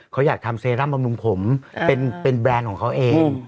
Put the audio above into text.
เขาอยากทำเซรั่มบำรุงผมเป็นแบรนด์ของเขาเอง